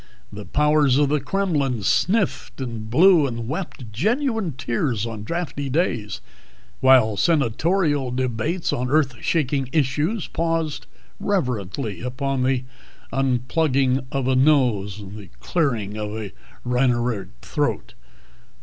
The powers in the Kremlin sniffed and blew and wept genuine tears on drafty days, while senatorial debates on earth shaking issues paused reverently upon the unplugging of a nose, the clearing of a rhinorrheic throat.